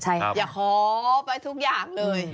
อย่าขอไปทุกอย่างเลย